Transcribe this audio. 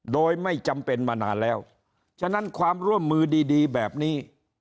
โดยไม่จำเป็นมานานแล้วฉะนั้นความร่วมมือดีดีแบบนี้